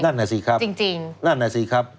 นั่นแหละสิครับ